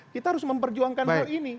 kita harus memperjuangkan hal ini